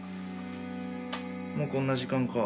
もうこんな時間か。